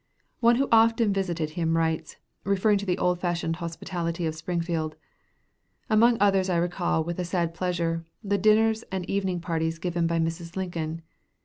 One who often visited him writes, referring to "the old fashioned hospitality of Springfield," "Among others I recall with a sad pleasure, the dinners and evening parties given by Mrs. Lincoln.